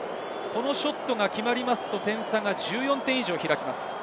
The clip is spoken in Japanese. ショットが決まると点差が１４点以上、開きます。